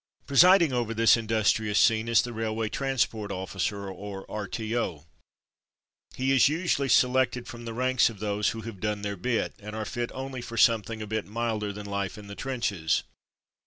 Presiding over this industrious scene is the Railway Transport Officer or R.T.O. He is usually selected from the ranks of those who have "done their bit,'' and are fit only for some thing a bit milder than life in the trenches.